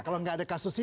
kalau tidak ada kasus ini